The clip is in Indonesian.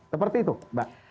seperti itu mbak